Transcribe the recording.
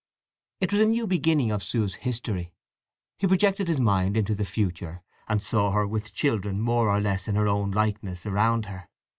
It was a new beginning of Sue's history. He projected his mind into the future, and saw her with children more or less in her own likeness around her.